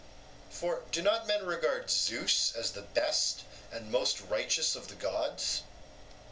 For do not men regard Zeus as the best and most righteous of the gods?